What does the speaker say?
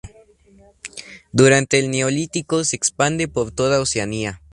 Durante el neolítico se expande por toda Oceanía.